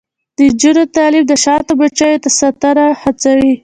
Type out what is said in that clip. د نجونو تعلیم د شاتو مچیو ساتنه هڅوي.